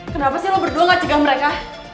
kenapa sih lo berdua gak cegah mereka